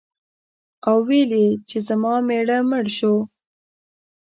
او ویل یې چې زما مېړه مړ شو.